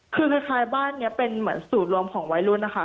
คือคล้ายบ้านนี้เป็นเหมือนสูตรรวมของวัยรุ่นนะคะ